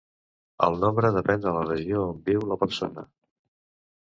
El nombre depèn de la regió on viu la persona.